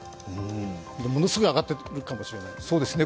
ものすごい上がっているかもしれないですね。